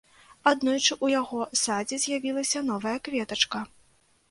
Аднойчы ў яго садзе з'явілася новая кветачка.